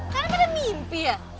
kan apaan mimpi ya